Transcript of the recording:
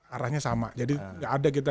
arahnya sama jadi nggak ada kita